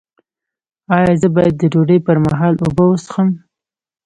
ایا زه باید د ډوډۍ پر مهال اوبه وڅښم؟